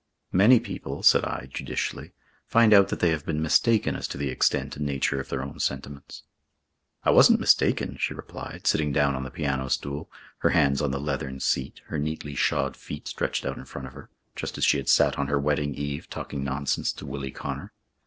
"Many people," said I, judicially, "find out that they have been mistaken as to the extent and nature of their own sentiments." "I wasn't mistaken," she replied, sitting down on the piano stool, her hands on the leathern seat, her neatly shod feet stretched out in front of her, just as she had sat on her wedding eve talking nonsense to Willie Connor.